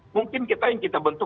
mungkin kita yang kita bentuk